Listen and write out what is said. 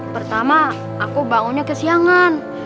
pertama aku bangunnya ke siangan